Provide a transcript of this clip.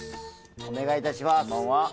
お願いいたします。